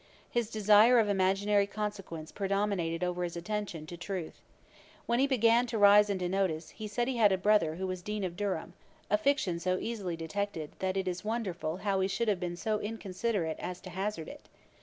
His desire of imaginary consequence predominated over his attention to truth. When he began to rise into notice, he said he had a brother who was Dean of Durham, a fiction so easily detected, that it is wonderful how he should have been so inconsiderate as to hazard it.